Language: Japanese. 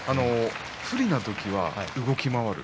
不利な時は動き回る。